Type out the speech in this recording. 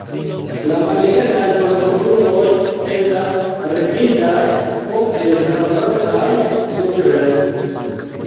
La malhelaj vostoplumoj estas rigidaj ofte starantaj supren.